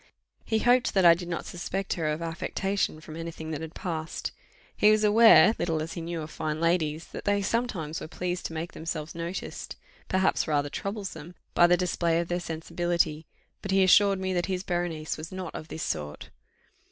He hoped that I did not suspect her of affectation from any thing that had passed; he was aware, little as he knew of fine ladies, that they sometimes were pleased to make themselves noticed, perhaps rather troublesome, by the display of their sensibility; but he assured me that his Berenice was not of this sort.